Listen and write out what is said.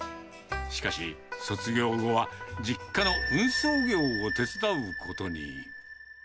しかし、卒業後は実家の運送業を手伝うことに。